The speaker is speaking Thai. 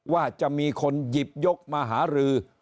ว่าจะมีคนหยิบยกมาหารือ